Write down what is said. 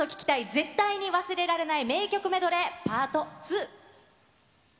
絶対に忘れられない名曲メドレーパート２。